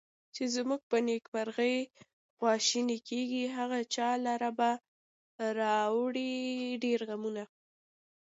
چې زمونږ په نیکمرغي خواشیني کیږي، هغه چا لره به راوړي ډېر غمونه